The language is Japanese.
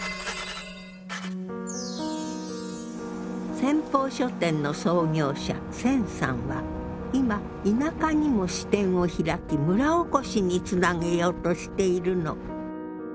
先鋒書店の創業者銭さんは今田舎にも支店を開き村おこしにつなげようとしているの。